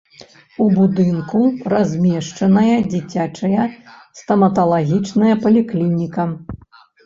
У будынку размешчаная дзіцячая стаматалагічная паліклініка.